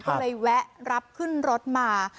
ก็เลยแวะรับขึ้นรถมา